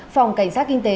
phòng cảnh sát kinh tế